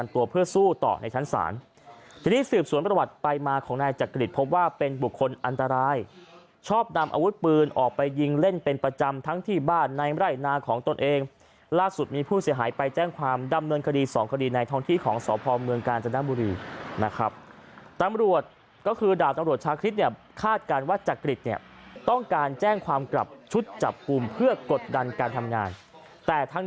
ตัวเพื่อสู้ต่อในชั้นศาลทีนี้สืบส่วนประวัติไปมาของแนวจักริดพบว่าเป็นบุคคลอันตรายชอบนำอาวุธปืนออกไปยิงเล่นเป็นประจำทั้งที่บ้านในไร่นาของตนเองล่าสุดมีผู้เสียหายไปแจ้งความดำเนินคดี๒คดีในท้องที่ของสอบพรเมืองกาลจนาบุรีนะครับตำรวจก็คือดาวตำรวจชาคริตเน